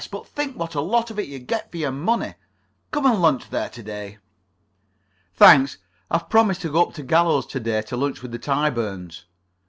But think what a lot of it you get for your money. Come and lunch there to day." "Thanks. I have promised to go up to Gallows to day to lunch with the Tyburns."